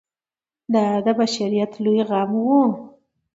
دا د بشریت لوی غم و.